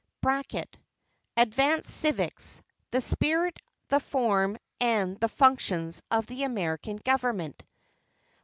["Advanced Civics. The Spirit, the Form, and the Functions of the American Government."